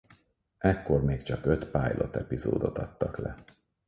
Ekkor még csak öt pilot epizódot adtak le.